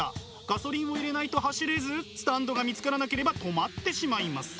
ガソリンを入れないと走れずスタンドが見つからなければ止まってしまいます。